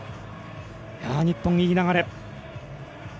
日本、いい流れ。